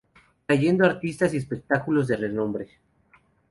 Trayendo artistas y espectáculos de renombre.